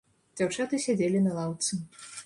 Дзяўчаты сядзелі на лаўцы.